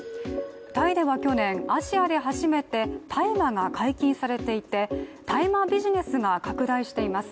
タイでは去年、アジアで初めて大麻が解禁されていて大麻ビジネスが拡大しています。